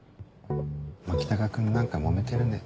牧高君何かもめてるね。